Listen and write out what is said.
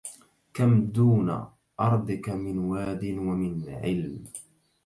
كم دون أرضك من واد ومن علم